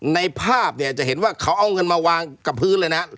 ในภาพเนี่ยจะเห็นว่าเขาเอาเงินมาวางกับพื้นเลยนะ